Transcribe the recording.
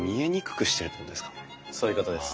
そういうことです。